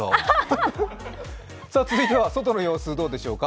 続いては外の様子どうでしょうか。